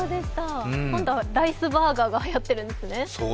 今度はライスバーガーがはやってるんですね。